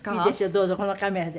どうぞこのカメラで。